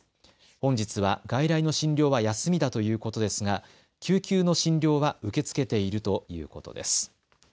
本日は外来の診療は休みだということですが救急の診療は受け付けているということです。